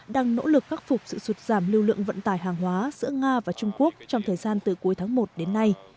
đang nỗ lực khắc phục sự sụt giảm lưu lượng vận tải hàng hóa giữa nga và trung quốc trong thời gian từ cuối tháng một đến nay